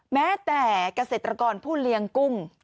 แม้แต่เกษตรกรผู้เลี้ยงกุ้ง